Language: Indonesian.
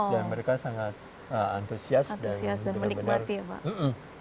dan mereka sangat antusias dan menikmati ya pak